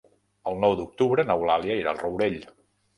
El nou d'octubre n'Eulàlia irà al Rourell.